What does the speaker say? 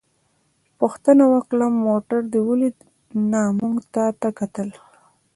پوښتنه وکړه: موټر دې ولید؟ نه، موږ تا ته کتل.